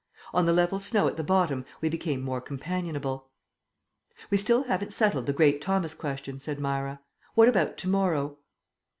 On the level snow at the bottom we became more companionable. "We still haven't settled the great Thomas question," said Myra. "What about to morrow?"